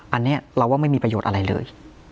อันนี้เราว่าไม่มีประโยชน์อะไรเลย